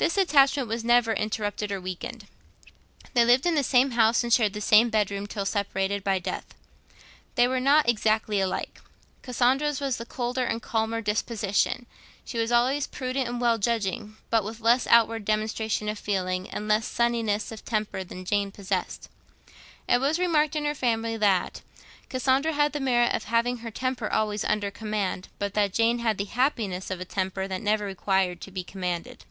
This attachment was never interrupted or weakened. They lived in the same home, and shared the same bed room, till separated by death. They were not exactly alike. Cassandra's was the colder and calmer disposition; she was always prudent and well judging, but with less outward demonstration of feeling and less sunniness of temper than Jane possessed. It was remarked in her family that 'Cassandra had the merit of having her temper always under command, but that Jane had the happiness of a temper that never required to be commanded.'